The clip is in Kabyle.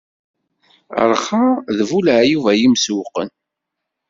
Rrxa d bu leɛyub a imsewwqen.